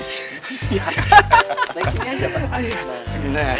naik sini aja pak